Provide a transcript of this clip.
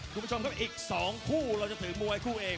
คุณผู้ชมครับอีก๒คู่เราจะถือมวยคู่เอก